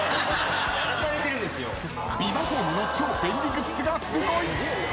ビバホームの超便利グッズがすごい！